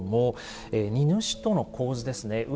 荷主との構図ですね。